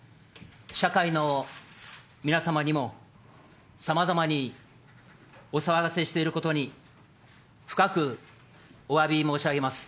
社会の皆様にもさまざまにお騒がせしていることに、深くおわび申し上げます。